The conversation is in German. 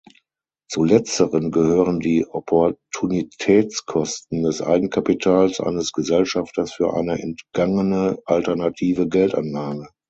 Zu letzteren gehören die Opportunitätskosten des Eigenkapitals eines Gesellschafters für eine entgangene alternative Geldanlage.